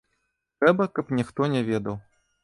Трэба, каб ніхто не ведаў.